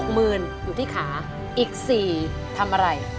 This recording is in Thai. หมื่นอยู่ที่ขาอีก๔ทำอะไร